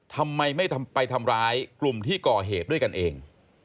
ทำไมไม่ไปทำร้ายกลุ่มที่ก่อเหตุด้วยกันเอง